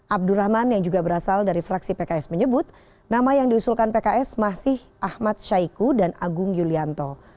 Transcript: abdurrahman yang juga berasal dari fraksi pks menyebut nama yang diusulkan pks masih ahmad syaiqo dan agung yulianto